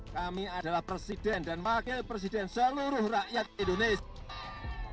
kami adalah presiden dan wakil presiden seluruh rakyat indonesia